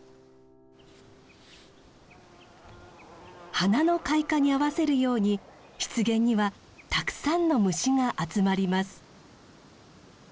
花の開花に合わせるように湿原にはたくさんの虫が集まります。